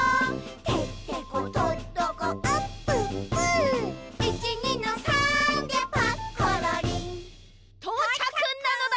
「てってことっとこあっぷっぷ」「いちにのさーんでパッコロリン」とうちゃくなのだ！